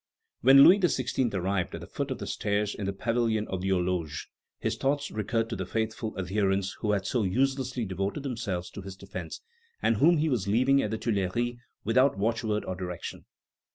When Louis XVI. arrived at the foot of the stairs in the Pavilion of the Horloge, his thoughts recurred to the faithful adherents who had so uselessly devoted themselves to his defence, and whom he was leaving at the Tuileries without watchword or direction.